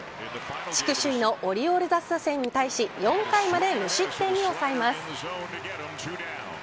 地区首位のオリオールズ打線に対し４回まで無失点に抑えます。